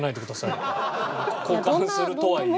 交換するとはいえ。